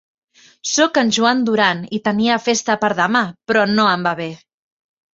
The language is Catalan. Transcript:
Soc en Joan Duran i tenia festa per demà, però no em va bé.